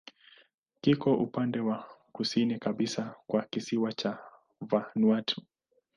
Kiko upande wa kusini kabisa wa visiwa vya Vanuatu.